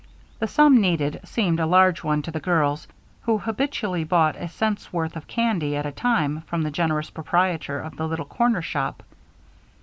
The sum needed seemed a large one to the girls, who habitually bought a cent's worth of candy at a time from the generous proprietor of the little corner shop.